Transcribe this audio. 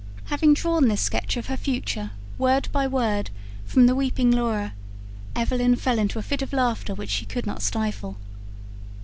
Having drawn this sketch of her future word by word from the weeping Laura, Evelyn fell into a fit of laughter which she could not stifle.